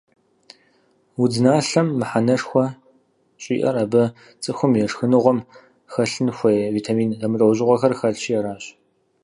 Удзналъэм мыхьэнэшхуэ щӀиӀэр абы цӀыхум и шхыныгъуэм хэлъын хуей витамин зэмылӀэужьыгъуэхэр хэлъщи аращ.